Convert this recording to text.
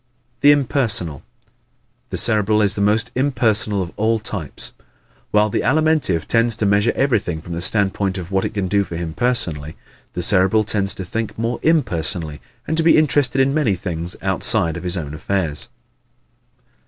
The Impersonal ¶ The Cerebral is the most impersonal of all types. While the Alimentive tends to measure everything from the standpoint of what it can do for him personally, the Cerebral tends to think more impersonally and to be interested in many things outside of his own affairs.